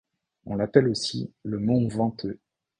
On l'appelle aussi le Mont Venteux.